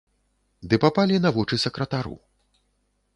Ды папалі на вочы сакратару.